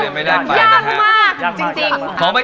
นี่ไงมันอย่างงี้